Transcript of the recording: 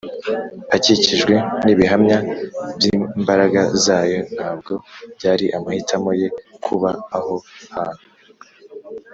akikijwe n’ibihamya by’imbaraga Zayo. Ntabwo byari amahitamo ye kuba aho hantu